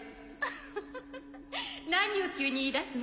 フフフ何を急に言い出すの？